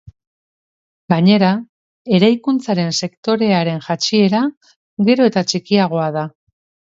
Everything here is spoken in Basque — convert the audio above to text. Gainera, eraikuntzaren sektorearen jaitsiera gero eta txikiagoa da.